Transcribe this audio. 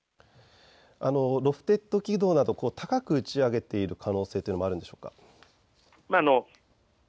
ロフテッド軌道など高く打ち上げているという可能性もあるんでしょうか。